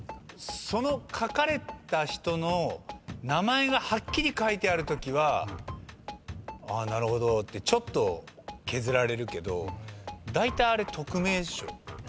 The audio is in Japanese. その書かれた人の名前がはっきり書いてあるときはあっなるほどってちょっと削られるけどだいたいあれ匿名でしょ。